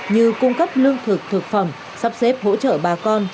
như cung cấp lương thực thực phẩm sắp xếp hỗ trợ bà con